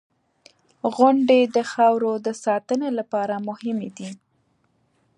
• غونډۍ د خاورو د ساتنې لپاره مهمې دي.